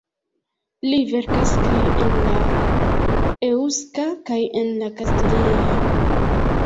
Li verkas kaj en la eŭska kaj en la kastilia.